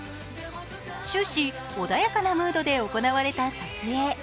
終始、穏やかなムードで行われた撮影。